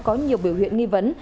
có nhiều biểu hiện nghi vấn